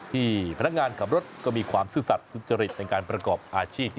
ที่พนักงานขับรถก็มีความซื่อสัตว์สุจริตในการประกอบอาชีพ